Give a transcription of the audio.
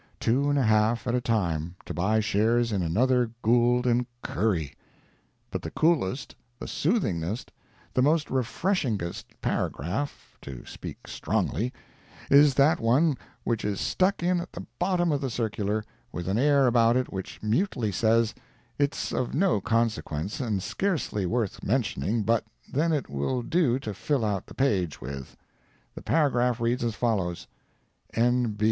Two and a half at a time, to buy shares in another Gould & Curry! But the coolest, the soothingest, the most refreshingest paragraph (to speak strongly) is that one which is stuck in at the bottom of the circular, with an air about it which mutely says, "it's of no consequence, and scarcely worth mentioning, but then it will do to fill out the page with." The paragraph reads as follows: "N.